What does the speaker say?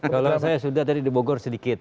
kalau saya sudah tadi dibogor sedikit